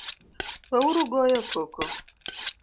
Weuru goyo koko